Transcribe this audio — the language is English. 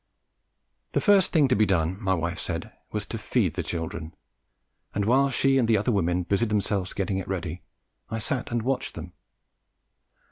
The first thing to be done, my wife said, was to feed the children, and while she and the other women busied about getting it ready, I sat and watched them.